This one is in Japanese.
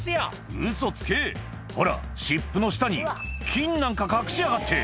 「ウソつけほら湿布の下に金なんか隠しやがって」